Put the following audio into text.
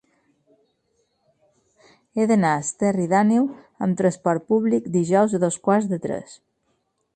He d'anar a Esterri d'Àneu amb trasport públic dijous a dos quarts de tres.